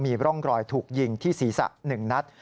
มีร่องรอยถูกยิงที่ศีรษะ๑นัด